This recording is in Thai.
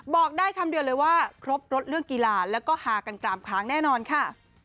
บอกได้คำเดียวเลยว่าครบรถเรื่องกีฬาแล้วก็ฮากันกรามค้างแน่นอนค่ะ